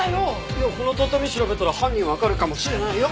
いやこの畳調べたら犯人わかるかもしれないよ。